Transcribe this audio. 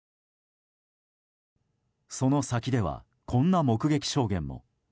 その先では、こんな目撃証言も。